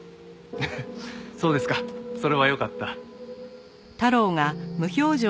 そうですかそれはよかった。